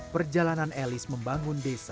perjalanan elis membangun desa